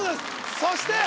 そして